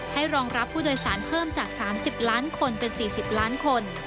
รองรับผู้โดยสารเพิ่มจาก๓๐ล้านคนเป็น๔๐ล้านคน